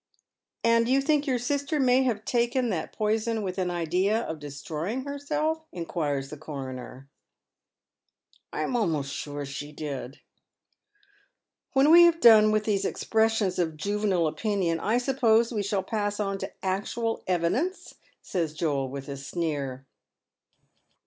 " And you think your sister may have taken that poison with an idea of destroying herself ?" inquires the coroner. *' I am almost sure she did." " When we have done with these expressions of juvenile opinion I suppose we shall pass on to actual evidence ?" says ioel, with a sneer.